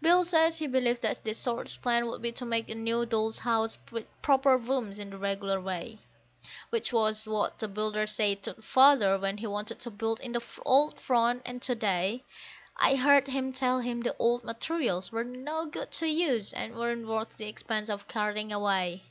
Bill says he believes that the shortest plan would be to make a new Doll's House with proper rooms, in the regular way; Which was what the builder said to Father when he wanted to build in the old front; and to day I heard him tell him the old materials were no good to use and weren't worth the expense of carting away.